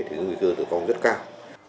thì nguy cơ tử vong rất cao